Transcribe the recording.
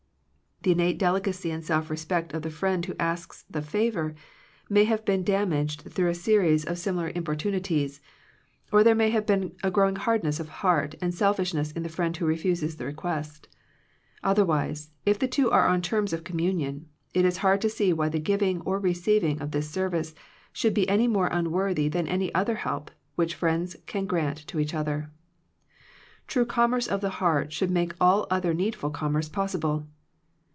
The innate delicacy and self respect of the friend who asks the favor may have been damaged through a series of 148 Digitized by VjOOQIC THE WRECK OF FRIENDSHIP similar importunities, or there may have been a growing hardness of heart and selfishness in the friend who refuses the request. Otherwise, if two are on terms of communion, it is hard to see why the giving or receiving of this service should be any more unworthy than any other help, which friends can grant to each other True commerce of the heart should make all other needful commerce possible.